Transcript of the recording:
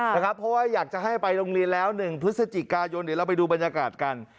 เพราะว่าอยากจะให้ไปโรงเรียนแล้ว๑พฤศจิกายนเดี๋ยวเราไปดูบรรยากาศกัน